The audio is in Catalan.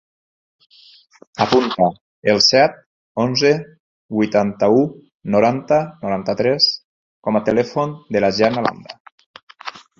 Apunta el set, onze, vuitanta-u, noranta, noranta-tres com a telèfon de la Janna Landa.